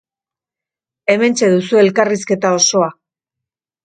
Hementxe duzue elkarrizketa osoa.